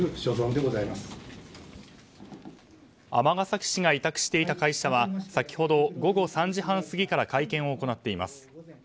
尼崎市が委託していた会社は先ほど午後３時半過ぎから会見を行っています。